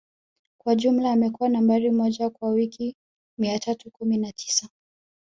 Kwa jumla amekuwa Nambari moja kwa wiki mia tatu kumi na tisa